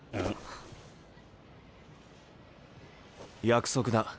約束だ。